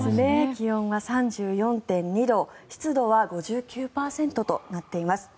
気温が３４．２度湿度は５９％となっています。